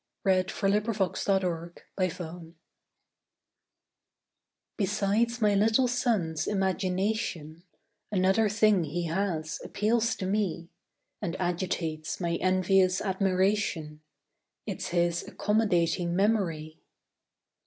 HIS MEMORY Besides my little son's imagination, Another thing he has appeals to me And agitates my envious admiration It's his accommodating memory.